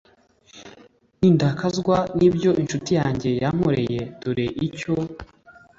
nindakazwa n ibyo incuti yanjye yankoreye dore icyo